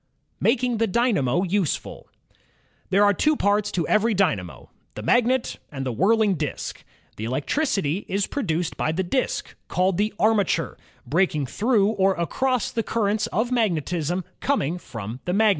. Making the Dynamo Useful There are two parts to every dynamo, the magnet and the whirling disk. The electricity is produced by the disk, called the armature, breaking through or across the currents of magnetism coming from the magnet.